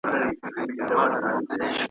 جهاني جامې یې سپیني زړونه تور لکه تبۍ وي .